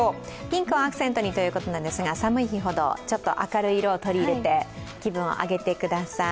ピンクをアクセントにということですけれども、寒い日ほどちょっと明るい色を取り入れて気分を上げてください。